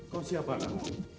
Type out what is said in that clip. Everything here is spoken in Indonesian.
kau siapa nak